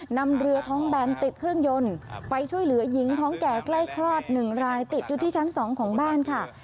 นำเรือท้องแบนติดเครื่องยนต์ไปช่วยเหลือหญิงท้องแก่ใกล้คลอด๑รายติดอยู่ที่ชั้น๒ของบ้านค่ะ